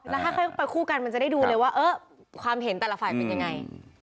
แล้วถ้าเข้าไปคู่กันมันจะได้ดูเลยว่าความเห็นแต่ละฝ่ายมันยังไง